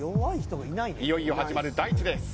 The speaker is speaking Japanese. いよいよ始まる第１レース。